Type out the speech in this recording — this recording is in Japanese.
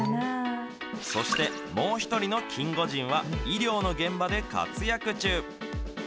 そして、もう一人のキンゴジンは、医療の現場で活躍中。